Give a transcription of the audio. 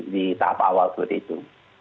di tahap awal seperti itu